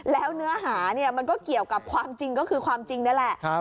แล้วเนื้อหาเนี่ยมันก็เกี่ยวกับความจริงก็คือความจริงนั่นแหละ